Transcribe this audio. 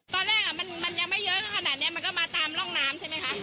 ตอนแรกมันยังไม่เยอะขนาดนี้มันก็มาตามร่องน้ำใช่ไหมคะ